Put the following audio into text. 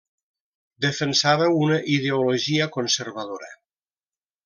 Defensava una ideologia conservadora.